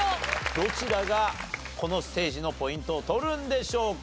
どちらがこのステージのポイントを取るんでしょうか？